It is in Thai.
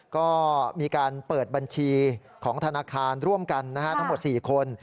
ก็มีการเปิดบัญชีของธนาคารร่วมกันทั้งหมด๔คน